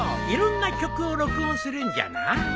いろんな曲を録音するんじゃな。